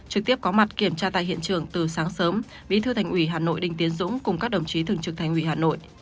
trực tiếp có mặt kiểm tra tại hiện trường từ sáng sớm bí thư thành ủy hà nội đinh tiến dũng cùng các đồng chí thường trực thành ủy hà nội